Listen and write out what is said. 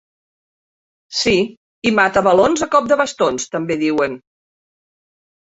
Sí, i mata valons a cop de bastons, també diuen.